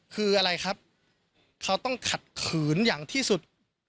คืออะไรครับเขาต้องขัดขืนอย่างที่สุด